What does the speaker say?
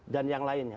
dan yang lainnya